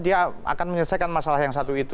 dia akan menyelesaikan masalah yang satu itu